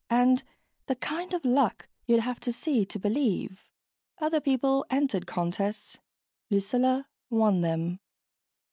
and the kind of luck you'd have to see to believe. Other people entered contests Lucilla won them.